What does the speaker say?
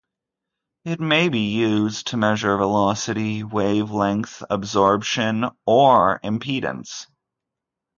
It may be used to measure velocity, wavelength, absorption, or impedance.